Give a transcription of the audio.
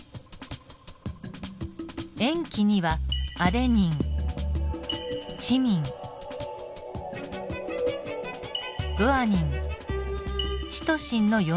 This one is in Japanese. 塩基にはアデニンチミングアニンシトシンの４種類があります。